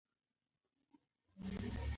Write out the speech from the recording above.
هغې وویل ورزش د بدن انرژي ښه کاروي.